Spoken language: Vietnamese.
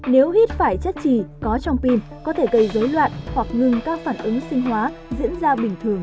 nếu hít phải chất chỉ có trong pin có thể gây dối loạn hoặc ngừng các phản ứng sinh hóa diễn ra bình thường